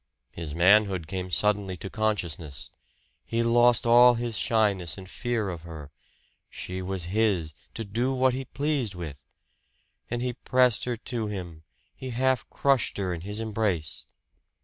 His manhood came suddenly to consciousness he lost all his shyness and fear of her. She was his to do what he pleased with! And he pressed her to him, he half crushed her in his embrace.